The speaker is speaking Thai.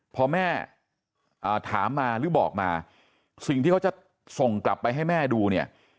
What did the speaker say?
พอแม่ถามมาหรือบอกมาสิ่งที่เขาจะส่งกลับไปให้แม่ดูเนี่ย